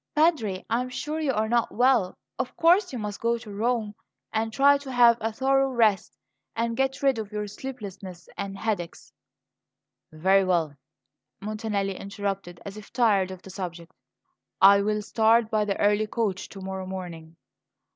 "Padre, I am sure you are not well. Of course you must go to Rome, and try to have a thorough rest and get rid of your sleeplessness and headaches." "Very well," Montanelli interrupted, as if tired of the subject; "I will start by the early coach to morrow morning."